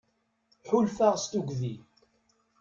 Ḥulfaɣ s tugdi.